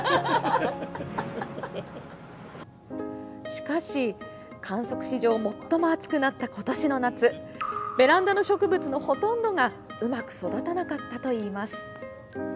しかし、観測史上最も暑くなった今年の夏ベランダの植物のほとんどがうまく育たなかったといいます。